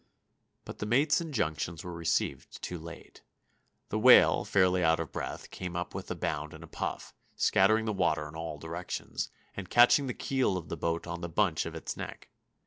But the mate's injunctions were received too late. The whale, fairly out of breath, came up with a bound and a puff, scattering the water in all directions, and catching the keel of the boat on the bunch of its neck.